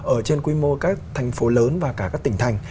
ở trên quy mô các thành phố lớn và cả các tỉnh thành